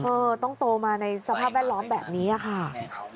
เออต้องโตมาในสภาพแวดล้อมแบบนี้ค่ะ